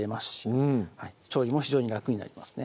うん調理も非常に楽になりますね